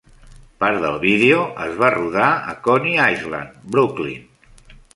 Part del vídeo es va rodar a Coney Island, Brooklyn.